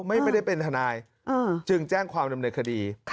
ไม่ได้เป็นทนายจึงแจ้งความดำเนินคดี